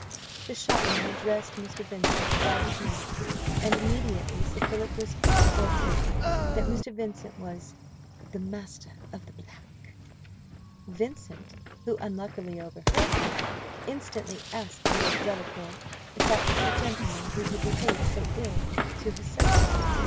The shopman addressed Mr. Vincent by his name, and immediately Sir Philip whispered to Rochfort, that Mr. Vincent was "the master of the black." Vincent, who unluckily overheard him, instantly asked Lord Delacour if that was the gentleman who had behaved so ill to his servant?